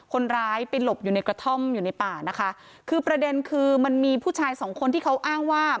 คนร้ายไปหลบอยู่ในกระท่อมอยู่ในป่านะคะคือประเด็นคือมันมีผู้ชายสองคนที่เขาอ้างว่า